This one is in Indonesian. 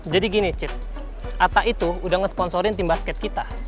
jadi gini cip ata itu udah ngesponsorin tim basket kita